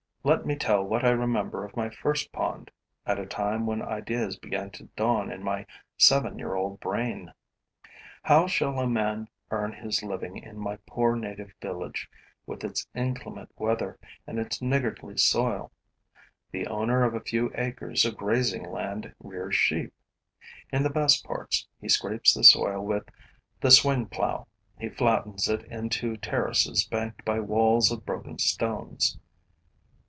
Let me tell what I remember of my first pond, at a time when ideas began to dawn in my seven year old brain. How shall a man earn his living in my poor native village, with its inclement weather and its niggardly soil? The owner of a few acres of grazing land rears sheep. In the best parts, he scrapes the soil with the swing plow; he flattens it into terraces banked by walls of broken stones.